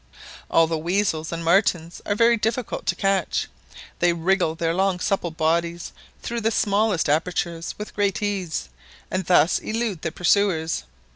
All the weasels and martens are very difficult to catch; they wriggle their long supple bodies through the smallest apertures with great ease, and thus elude their pursuers.